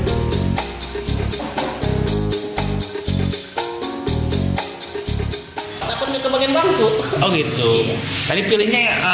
oh gitu tadi pilihnya